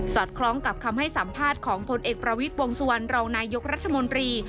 อดคล้องกับคำให้สัมภาษณ์ของพลเอกประวิทย์วงสุวรรณรองนายกรัฐมนตรี